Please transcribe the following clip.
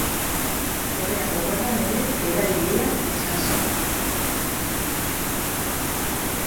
Koreako Gerran ere erabilia izan zen.